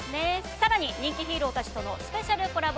更に人気ヒーローたちとのスペシャルコラボ